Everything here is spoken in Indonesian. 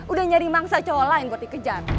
udah nyari mangsa cowok lain buat dikejar